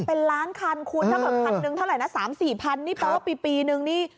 เป็นล้านคันคุณถ้าแบบ๑๐๐๐นึงเท่าไหร่นะ๓๐๐๐๔๐๐๐นี่เปล่าปีนึงนี่